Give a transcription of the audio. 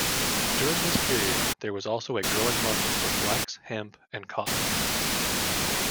During this period, there was also a growing market for flax, hemp and cotton.